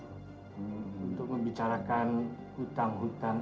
untuk membicarakan hutang hutang